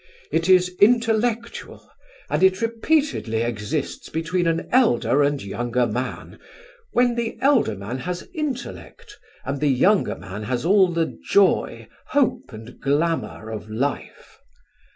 It is intellectual, and it repeatedly exists between an elder and younger man, when the elder man has intellect, and the younger man has all the joy, hope and glamour of life.